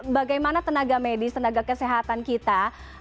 bagaimana tenaga medis tenaga kesehatan kita